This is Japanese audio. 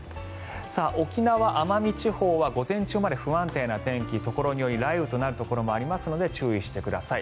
沖縄・奄美地方は午前中まで不安定な天気ところにより雷雨となるところもありますので注意してください。